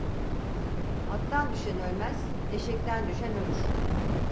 Attan düşen ölmez, eşekten düşen ölür.